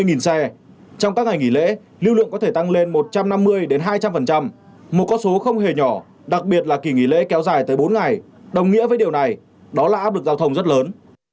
trong các ngày nghỉ lễ lưu lượng có thể tăng lên một trăm năm mươi hai trăm linh một con số không hề nhỏ đặc biệt là kỳ nghỉ lễ kéo dài tới bốn ngày đồng nghĩa với điều này đó là áp lực giao thông rất lớn